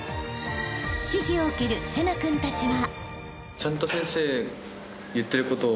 ［指示を受ける聖成君たちは］